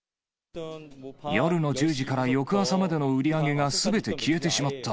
夜の１０時から翌朝までの売り上げがすべて消えてしまった。